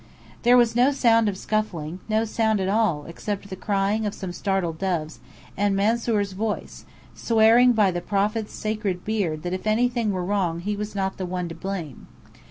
There was no sound of scuffling, no sound at all, except the crying of some startled doves, and Mansoor's voice, swearing by the Prophet's sacred beard that if anything were wrong he was not the one to blame.